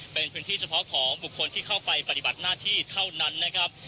เป็นพื้นที่เฉพาะของบุคคลที่เข้าไปปฏิบัติหน้าที่เท่านั้นนะครับ